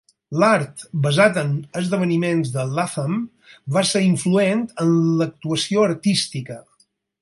L'art basat en esdeveniments de Latham va ser influent en l'actuació artística.